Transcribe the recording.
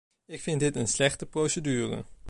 Ik vind dit een slechte procedure.